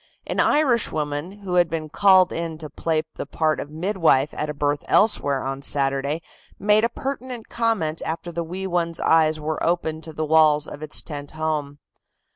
An Irish woman who had been called in to play the part of midwife at a birth elsewhere on Saturday, made a pertinent comment after the wee one's eyes were opened to the walls of its tent home.